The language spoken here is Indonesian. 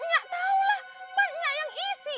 banyak yang isi